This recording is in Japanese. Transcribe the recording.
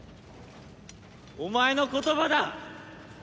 お前の言葉だ！